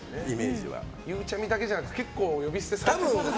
ゆうちゃみだけじゃなくて結構呼び捨てされてますけどね。